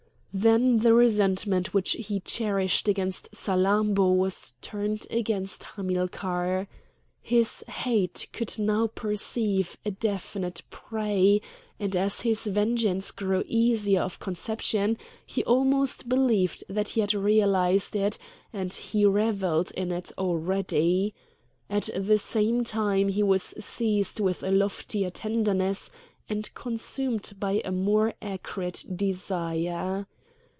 Then the resentment which he cherished against Salammbô was turned against Hamilcar. His hate could now perceive a definite prey; and as his vengeance grew easier of conception he almost believed that he had realised it and he revelled in it already. At the same time he was seized with a loftier tenderness, and consumed by more acrid desire.